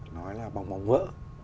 nói là bóng bóng vỡ